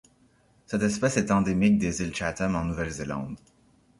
Cette espèce est endémique des Îles Chatham en Nouvelle-Zélande.